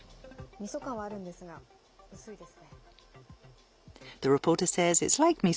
みそ感はあるんですが薄いですね。